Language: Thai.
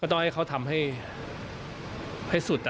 ต้องให้เขาทำให้สุด